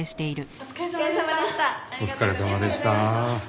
お疲れさまでした。